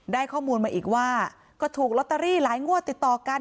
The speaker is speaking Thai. ได้ข้อมูลมาอีกว่าก็ถูกลอตเตอรี่หลายงวดติดต่อกัน